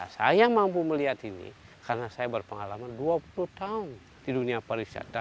saya mampu melihat ini karena saya berpengalaman dua puluh tahun di dunia pariwisata